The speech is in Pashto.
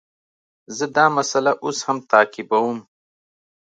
زه دا مسئله اوس هم تعقیبوم.